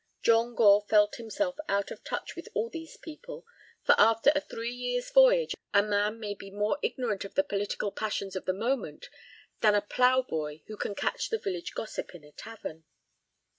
John Gore felt himself out of touch with all these people, for after a three years' voyage a man may be more ignorant of the political passions of the moment than a ploughboy who can catch the village gossip in a tavern.